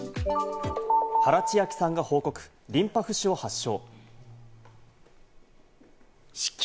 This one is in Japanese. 原千晶さんが報告、リンパ浮腫を発症。